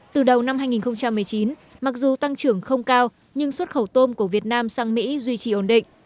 từ đầu năm hai nghìn một mươi chín mặc dù tăng trưởng không cao nhưng xuất khẩu tôm của việt nam sang mỹ duy trì ổn định